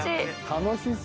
楽しそう。